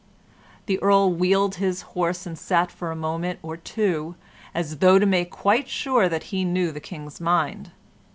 The Earl wheeled his horse and sat for a moment or two as though to make quite sure that he knew the King's mind.